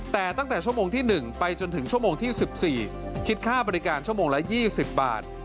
แต่ตั้งแต่ชั่วโมงที่๑ไปจนถึงชั่วโมงที่๑๔คิดค่าบริการชั่วโมงละ๒๐บาท